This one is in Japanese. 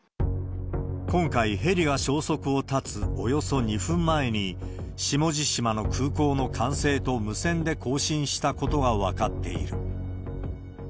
今回、ヘリが消息を絶つおよそ２分前に、下地島の空港の管制と無線で交信したことが分かっている。